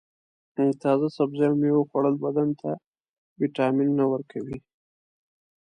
د تازه سبزیو او میوو خوړل بدن ته وټامینونه ورکوي.